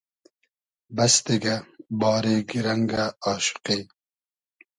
بئس دیگۂ ، باری گیرئنگۂ آشوقی